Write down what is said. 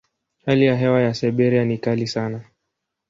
Hali ya hewa ya Siberia ni kali sana.